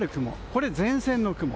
これは前線の雲。